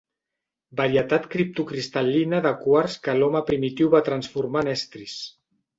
Varietat criptocristal·lina de quars que l'home primitiu va transformar en estris.